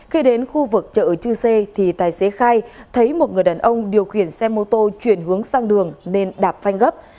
khi đến khu vực chợ chư sê thì tài xế khai thấy một người đàn ông điều khiển xe mô tô chuyển hướng sang đường nên đạp phanh gấp